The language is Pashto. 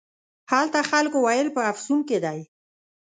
هلته خلکو ویل په افسون کې دی.